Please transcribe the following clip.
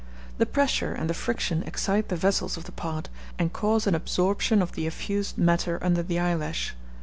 The pressure and the friction excite the vessels of the part, and cause an absorption of the effused matter under the eyelash.